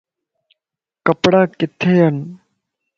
ڪپڙا ڪٿي ان